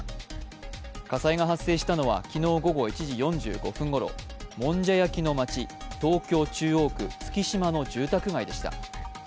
火災が発生したのは、昨日午後１時４５分ごろ、もんじゃ焼きの町東京・中央区月島の住宅街でした。